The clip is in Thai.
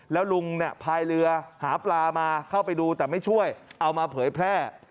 แล้วลุงพายเรือหาปลามาเข้าไปดูแต่ไม่ช่วยเอามาเผยแพร่